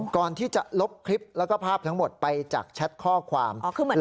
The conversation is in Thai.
ก่อนที่จะลบคลิปแล้วก็ภาพทั้งหมดไปจากแชทข้อความ